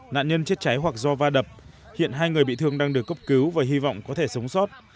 nạn nhân chết cháy hoặc do va đập hiện hai người bị thương đang được cấp cứu và hy vọng có thể sống sót